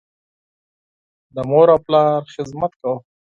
د مور او پلار خدمت کوه.